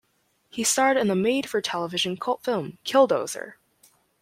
He starred in the made-for-television cult film Killdozer!